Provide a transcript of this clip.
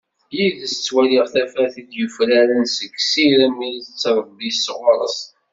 Yid-s ad twaliḍ tafat i d-yufraren, seg sirem i tettrebbi s ɣur-s.